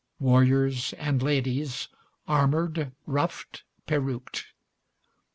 Warriors and ladies, armoured, ruffed, peruked.